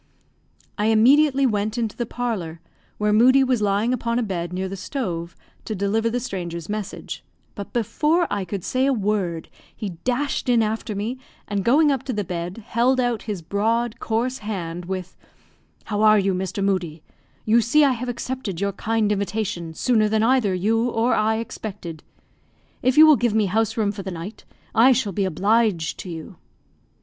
I immediately went into the parlour, where Moodie was lying upon a bed near the stove, to deliver the stranger's message; but before I could say a word, he dashed in after me, and going up to the bed, held out his broad, coarse hand, with "How are you, Mr. Moodie? You see I have accepted your kind invitation sooner than either you or I expected. If you will give me house room for the night, I shall be obliged to you."